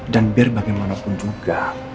dan biar bagaimanapun juga